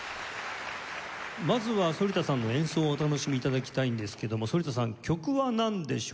まずは反田さんの演奏をお楽しみ頂きたいんですけども反田さん曲はなんでしょう？